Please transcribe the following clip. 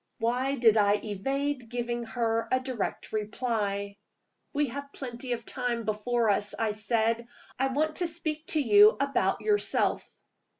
Why did I evade giving her a direct reply? "We have plenty of time before us," I said. "I want to speak to you about yourself."